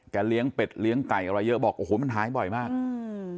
เลี้ยงเป็ดเลี้ยงไก่อะไรเยอะบอกโอ้โหมันหายบ่อยมากอืม